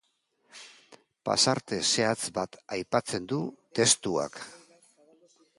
Pasarte zehatz bat aipatzen du testuak.